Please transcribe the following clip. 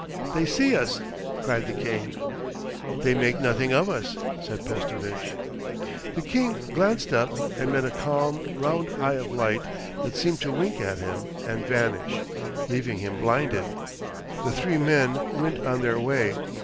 'They see us,' cried the king. 'They make nothing of us,' said Pestovitch. The king glanced up and met a calm, round eye of light, that seemed to wink at him and vanish, leaving him blinded.... The three men went on their way.